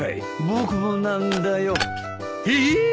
僕もなんだよ。えっ！？